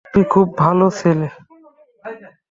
তুমি খুব ভালো ছেলে।